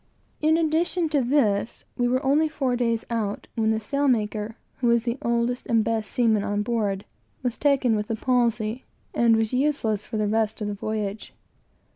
In addition to this, we were only three or four days out, when the sailmaker, who was the oldest and best seaman on board, was taken with the palsy, and was useless for the rest of the voyage.